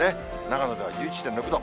長野では１１．６度。